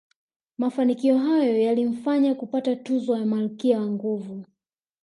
Mafanikio hayo yalimfanya kupata tuzo ya malkia wa nguvu